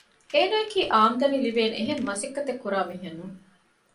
އޭނާއަކީ އާމްދަނީ ލިބޭނެ އެހެން މަސައްކަތެއް ކުރާ މީހެއް ނޫން